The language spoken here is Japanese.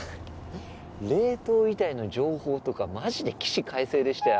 冷凍遺体の情報とかマジで起死回生でしたよ。